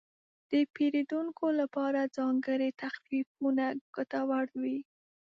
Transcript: د پیرودونکو لپاره ځانګړي تخفیفونه ګټور وي.